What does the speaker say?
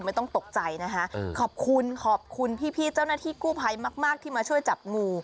นะครับคุณผู้ชมไม่ต้องตกใจนะฮะขอบคุณขอบคุณพี่เจ้าหน้าที่กู้ภัยมากที่มาช่วยจับงู